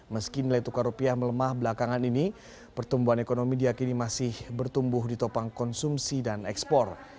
meski nilai tukar rupiah melemah belakangan ini pertumbuhan ekonomi diakini masih bertumbuh di topang konsumsi dan ekspor